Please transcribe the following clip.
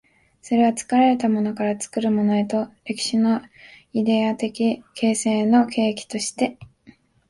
それは作られたものから作るものへという歴史のイデヤ的形成の契機として、